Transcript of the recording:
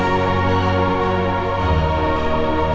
jangan kaget pak dennis